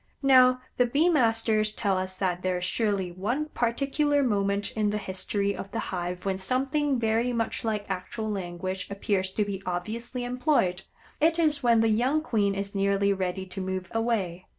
Now, the bee masters tell us that there is surely one particular moment in the history of the hive when something very much like actual language appears to be obviously employed. It is when the young queen is nearly ready to move away.